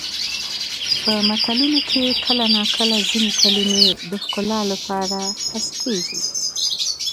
په متلونو کې کله ناکله ځینې کلمې د ښکلا لپاره حذف کیږي